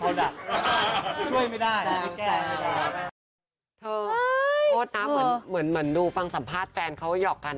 ลองเองแล้วยังไงครับแต่ละคนปากหวาน